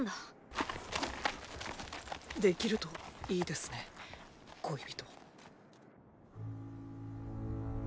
できるといいですね恋人。